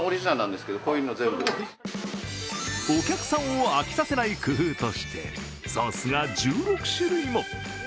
お客さんを飽きさせない工夫として、ソースが１６種類も。